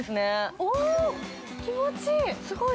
気持ちいい。